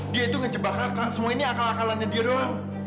dia itu ngejebak kakak semua ini akal akalannya dia doang